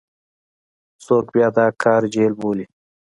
څوک بیا دا کار جعل بولي.